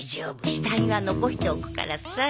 下着は残しておくからさあ。